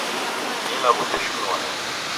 Ni ilagho jeshinua nandighi.